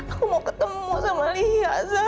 aku mau ketemu sama lia zan